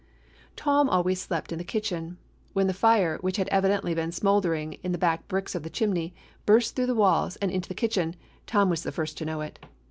Tom always slept in the kitchen. When the fire, which had evidently been smoldering in the back bricks of the chimney, burst through the walls and into the kitchen, Tom was the first to know it.